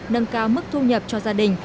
nâng cao mức thu nhập cho gia đình